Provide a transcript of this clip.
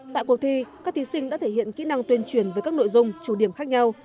tại cuộc thi các thí sinh đã thể hiện kỹ năng tuyên truyền với các nội dung chủ điểm khác nhau